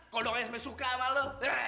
kodoknya sebenarnya suka sama lu